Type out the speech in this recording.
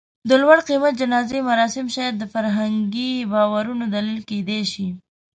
د لوړ قېمت جنازې مراسم شاید د فرهنګي باورونو دلیل کېدی شي.